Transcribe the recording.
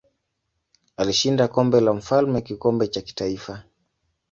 Alishinda Kombe la Mfalme kikombe cha kitaifa.